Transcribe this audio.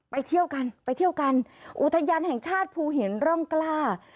เที่ยวกันไปเที่ยวกันอุทยานแห่งชาติภูหินร่องกล้า